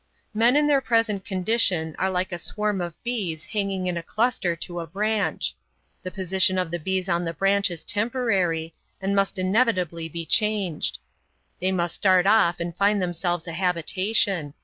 Men in their present condition are like a swarm of bees hanging in a cluster to a branch. The position of the bees on the branch is temporary, and must inevitably be changed. They must start off and find themselves a habitation.